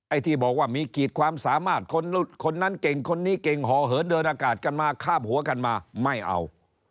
ไอ้ที่บอกว่ามีขีดความสามารถคนนั้นเก่งคนนี้เก่งห่อเหินเดินอากาศกันมาคาบหัวกันมาไม่เอา